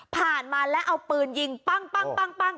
มาแล้วเอาปืนยิงปั้ง